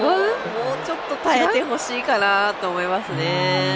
もうちょっと耐えてほしいかなと思います。